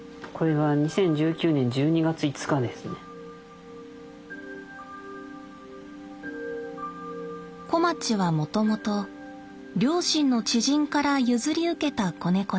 これが小町はもともと両親の知人から譲り受けた子猫でした。